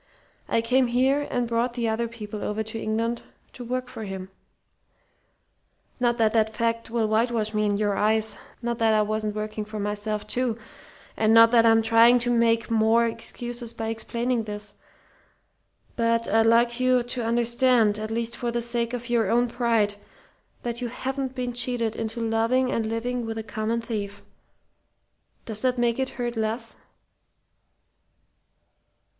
I came here and brought the other people over to England to work for him. "Not that that fact will whitewash me in your eyes; not that I wasn't working for myself, too, and not that I'm trying to make more excuses by explaining this. But I'd like you to understand, at least for the sake of your own pride, that you haven't been cheated into loving and living with a common thief. Does that make it hurt less?"